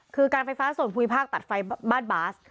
คือการไฟฟ้าส่วนภูมิภาคตัดไฟบ้านบาส